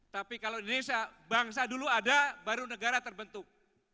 tapi kalau di indonesia bangsa dulu ada baru negara terbentuk